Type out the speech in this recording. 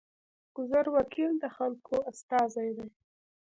ګذر وکیل د خلکو استازی دی